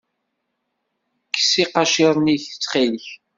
Kkes iqaciren-ik, ttxil-k.